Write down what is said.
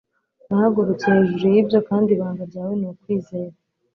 nahagurutse hejuru yibyo, kandi ibanga ryanjye ni kwizera